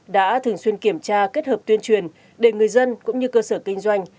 đã thường xuyên kiểm tra kết hợp tuyên truyền để người dân cũng như cơ sở kinh doanh